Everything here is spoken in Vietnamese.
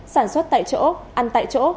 sản xuất tại chỗ ăn tại chỗ